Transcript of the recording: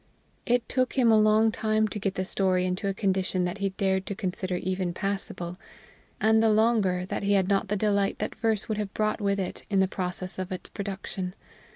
It took him a long time to get the story into a condition that he dared to consider even passable; and the longer that he had not the delight that verse would have brought with it in the process of its production.